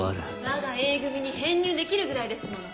わがＡ組に編入できるぐらいですもの。